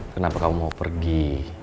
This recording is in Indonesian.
kenapa kamu mau pergi